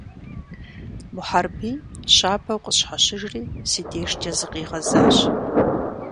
Мухьэрбий щабэу къысщхьэщыжри си дежкӀэ зыкъигъэзащ.